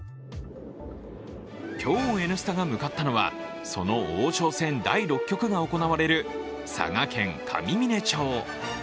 今日、「Ｎスタ」が向かったのはその王将戦第６局が行われる佐賀県上峰町。